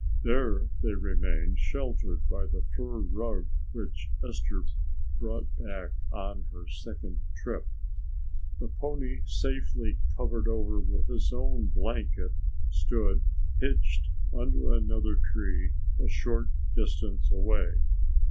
There they remained sheltered by the fur rug which Esther brought back on her second trip. The pony safely covered over with his own blanket stood hitched under another tree a short distance away.